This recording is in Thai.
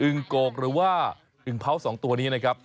โกกหรือว่าอึงเผา๒ตัวนี้นะครับ